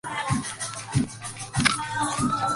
El río es navegable, aunque su tráfico fluvial es escaso.